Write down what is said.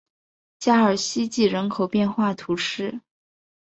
加尔希济人口变化图示